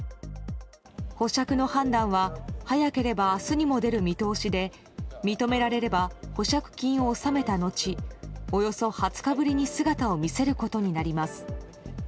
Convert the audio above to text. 保釈の判断は早ければ明日にも出る見通しで認められれば保釈金を納めた後およそ２０日ぶりに姿を見せることになります。